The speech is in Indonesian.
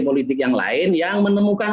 politik yang lain yang menemukan